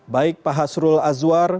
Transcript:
baik pak hasrul azwar